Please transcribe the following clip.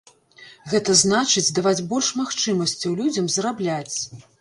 Гэта значыць, даваць больш магчымасцяў людзям зарабляць.